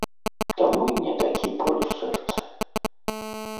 Таму і не такі боль у сэрцы.